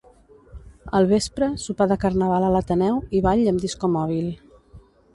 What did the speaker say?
Al vespre, sopar de Carnaval a l'Ateneu i ball amb disco mòbil.